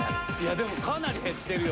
でもかなり減ってるよ